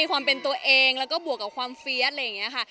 ความเป็นตัวเองและก็บวกกับความฟี๊ยะ